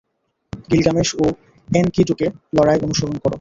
Gilgamesh ও এনকিডুকে লড়াইতে অনুসরণ করো।